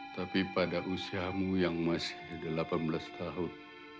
tapi pada usiamu yang masih delapan belas tahun